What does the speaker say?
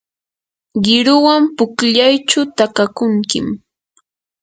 qiruwan pukllaychu takakunkim.